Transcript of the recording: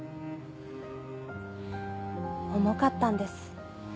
重かったんです。